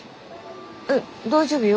え大丈夫よ。